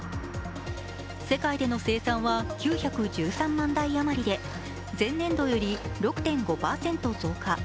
世界での生産は９１３万台あまりで前年度より６．５％増加。